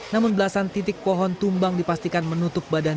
namun belasan titik pohon tumbang dipastikan menutup badan